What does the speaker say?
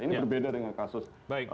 ini berbeda dengan kasus bom balik